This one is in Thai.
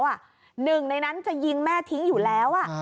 หนึ่งในนั้นจะยิงแม่ทิ้งอยู่แล้ว